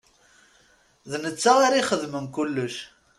D nettat ara ixedmen kulec.